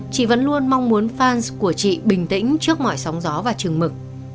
chị vẫn luôn mong muốn fans của chị bình tĩnh trước mọi sóng gió và trừng mực